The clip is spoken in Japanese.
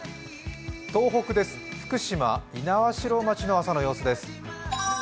東北です、福島・猪苗代町の朝の様子です。